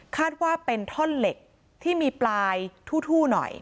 ว่าเป็นท่อนเหล็กที่มีปลายทู่หน่อย